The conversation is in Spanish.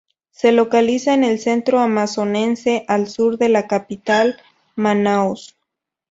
Se localiza en el centro amazonense, al sur de la capital, Manaos.